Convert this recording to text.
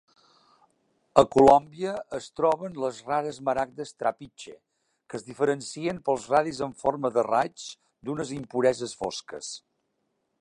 A Colombia es troben les rares maragdes "trapiche", que es diferencien pels radis en forma de raigs d'unes impureses fosques.